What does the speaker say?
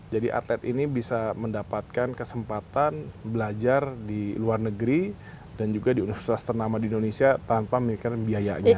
jadi atlet ini bisa mendapatkan kesempatan belajar di luar negeri dan juga di universitas ternama di indonesia tanpa memiliki biayanya